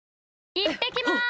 いってきます！